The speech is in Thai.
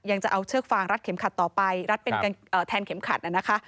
ยังจะเอาเชือกฟางรัดเข็มขัดต่อไปรัดเป็นการเอ่อแทนเข็มขัดอ่ะนะคะ